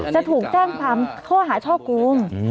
จะถูกแจ้งความข้อหาช่อโกง